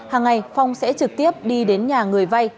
hàng ngày phong sẽ trực tiếp đi đến nhà người vay